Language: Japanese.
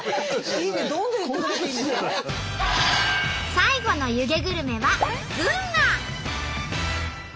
最後の湯気グルメは群馬！